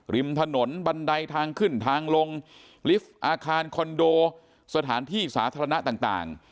ริมถนนบันไดทางขึ้นทางลงลิฟต์อาคารคอนโดสถานที่สาธารณะต่าง